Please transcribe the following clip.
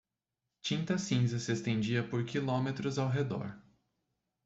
Tinta cinza se estendia por quilômetros ao redor.